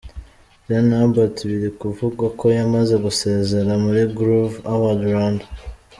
Rene Hubert biri kuvugwa ko yamaze gusezera muri Groove Award Rwanda.